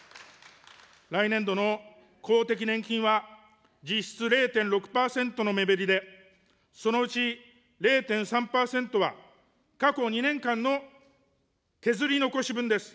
来年度の公的年金は、実質０．６％の目減りで、そのうち０．３％は過去２年間の削り残し分です。